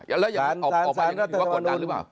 อ้าแล้วเอาออกไปกดดันหรือเปล่า